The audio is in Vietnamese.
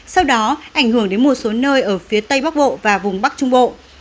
sau đó ảnh hưởng đến một số nơi ở phía tây bắc bộ và vùng bắc trung bộ